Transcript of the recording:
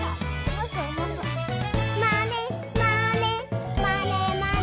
「まねまねまねまね」